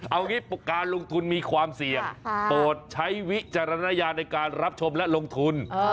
เอางี้การลงทุนมีความเสี่ยงโปรดใช้วิจารณญาณในการรับชมและลงทุน